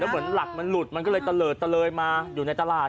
แล้วเหมือนหลักมันหลุดมันก็เลยเตลอดเตลยมาอยู่ในตลาด